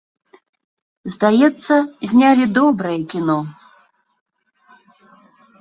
Здаецца, знялі добрае кіно.